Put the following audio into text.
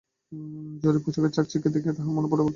জরির পোশাকের চাকচিক্য দেখিয়া তাঁহার মন বড়ো তৃপ্ত হইল।